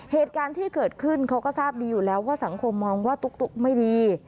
เหตุการณ์ที่เกิดขึ้นเขาก็ทราบดีอยู่แล้วว่าสังคมมองว่าตุ๊กไม่ดี